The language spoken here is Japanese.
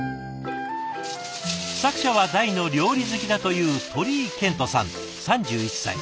作者は大の料理好きだという鳥居健人さん３１歳。